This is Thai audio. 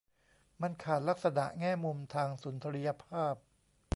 มันขาดลักษณะแง่มุมทางสุนทรียภาพ